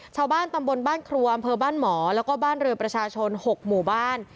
ชาวบ้านตำบลบ้านครัวอำเภอบ้านหมอแล้วก็บ้านเรือประชาชน๖หมู่บ้าน